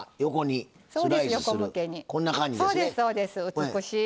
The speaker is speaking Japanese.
美しい。